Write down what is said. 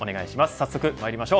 早速まいりましょう。